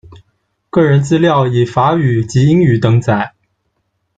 个人资料以法语及英语登载。